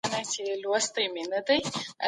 سوله كوم خو زما